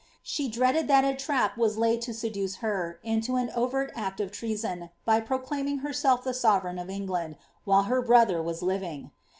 She dreaded that a laid to seduce her into an overt act of treason, by proclaiming he sovereign of England, while her brother was living.